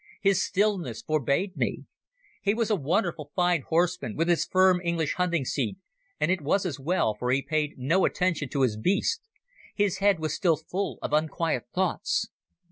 His stillness forbade me. He was a wonderful fine horseman, with his firm English hunting seat, and it was as well, for he paid no attention to his beast. His head was still full of unquiet thoughts.